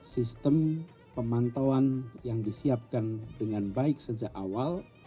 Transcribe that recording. sistem pemantauan yang disiapkan dengan baik sejak awal